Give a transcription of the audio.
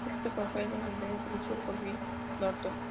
Escrito por Jeffrey Bell y dirigido por Bill L. Norton.